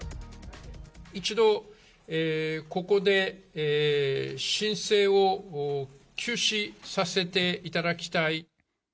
一度ここで、申請を休止させていただきたい。